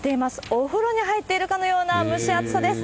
お風呂に入っているかのような蒸し暑さです。